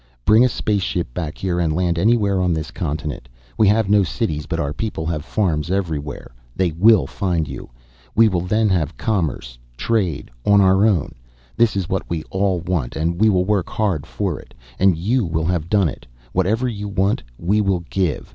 Bring a spaceship back here and land anywhere on this continent. We have no cities, but our people have farms everywhere, they will find you. We will then have commerce, trade on our own. This is what we all want and we will work hard for it. And you will have done it. Whatever you want we will give.